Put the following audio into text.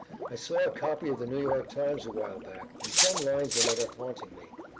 I saw a copy of the New York Times a while back, and some lines in it are haunting me.